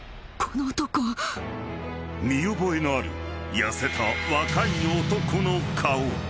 ［見覚えのある痩せた若い男の顔］